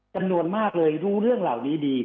จำนวนมากเลยรู้เรื่องเหล่านี้ดี